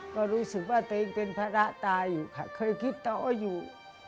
ก็รู้สึกว่าฉันเป็นพระร้าตายอยู่